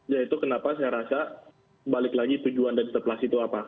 ya itu kenapa saya rasa balik lagi tujuan dari interpelasi itu apa